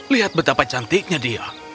lihat betapa cantiknya dia